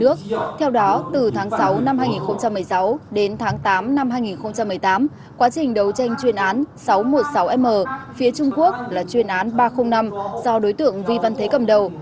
trước đó từ tháng sáu năm hai nghìn một mươi sáu đến tháng tám năm hai nghìn một mươi tám quá trình đấu tranh chuyên án sáu trăm một mươi sáu m phía trung quốc là chuyên án ba trăm linh năm do đối tượng vi văn thế cầm đầu